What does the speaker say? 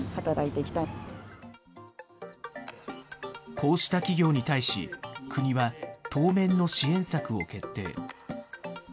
こうした企業に対し、国は当面の支援策を決定。